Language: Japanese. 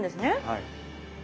はい。